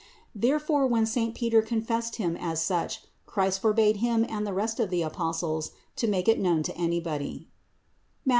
Therefore, when saint Peter confessed Him as such, Christ forbade him and the rest of the Apostles to make it known to any body (Matth.